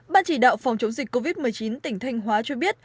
ban chỉ đạo phòng chống dịch covid một mươi chín tỉnh thanh hóa cho biết